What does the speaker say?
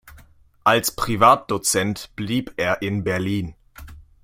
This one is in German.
Als Privatdozent blieb er in Berlin.